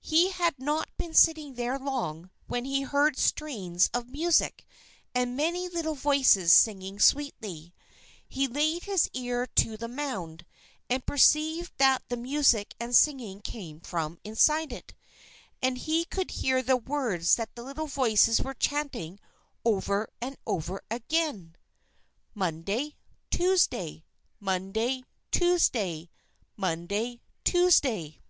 He had not been sitting there long when he heard strains of music, and many little voices singing sweetly. He laid his ear to the mound, and perceived that the music and singing came from inside it. And he could hear the words that the little voices were chanting over and over again: "_Monday! Tuesday! Monday! Tuesday! Monday! Tuesday!